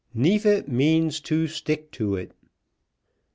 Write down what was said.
NEEFIT MEANS TO STICK TO IT.